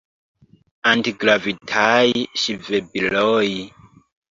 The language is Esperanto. Antigravitaj ŝvebiloj.